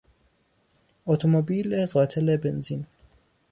اتومبیل قاتل بنزین